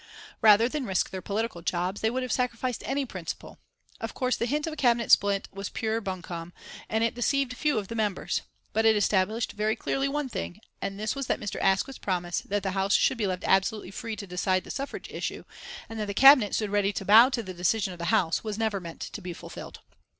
Rather than risk their political jobs they would have sacrificed any principle. Of course the hint of a Cabinet split was pure buncombe, and it deceived few of the members. But it established very clearly one thing, and this was that Mr. Asquith's promise that the House should be left absolutely free to decide the suffrage issue, and that the Cabinet stood ready to bow to the decision of the House was never meant to be fulfilled.